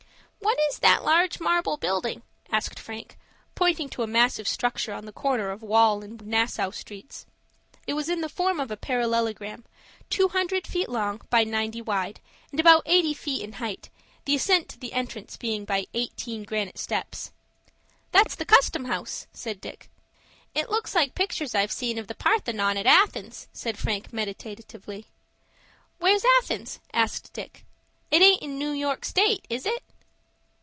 "What is that large marble building?" asked Frank, pointing to a massive structure on the corner of Wall and Nassau Streets. It was in the form of a parallelogram, two hundred feet long by ninety wide, and about eighty feet in height, the ascent to the entrance being by eighteen granite steps. "That's the Custom House," said Dick. "It looks like pictures I've seen of the Parthenon at Athens," said Frank, meditatively. "Where's Athens?" asked Dick. "It aint in York State,—is it?"